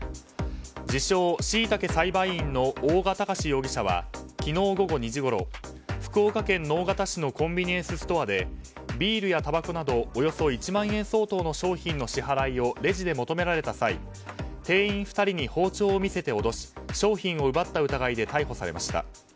自称シイタケ栽培員の大賀崇容疑者は昨日午後２時ごろ福岡県直方市のコンビニエンスストアでビールやたばこなどおよそ１万円相当の商品の支払いをレジで求められた際店員２人に包丁を見せて脅し商品を奪った疑いで逮捕されました。